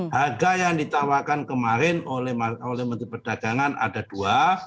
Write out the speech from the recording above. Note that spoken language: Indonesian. harga yang ditawarkan kemarin oleh menteri perdagangan ada dua